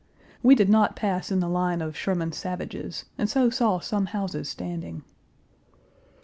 We did not pass in the line of Sherman's savages, and so saw some houses standing.